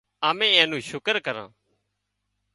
امين اين نو شڪر ڪران